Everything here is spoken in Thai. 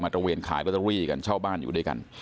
ตระเวนขายลอตเตอรี่กันเช่าบ้านอยู่ด้วยกัน